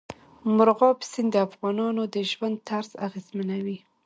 مورغاب سیند د افغانانو د ژوند طرز اغېزمنوي.